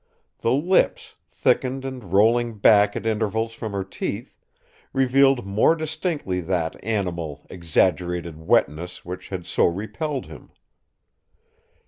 The lips, thickened and rolling back at intervals from her teeth, revealed more distinctly that animal, exaggerated wetness which had so repelled him.